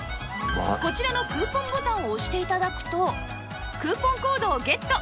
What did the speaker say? こちらのクーポンボタンを押して頂くとクーポンコードをゲット